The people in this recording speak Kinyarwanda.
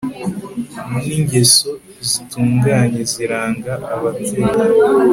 ningeso zitunganye ziranga ababyeyi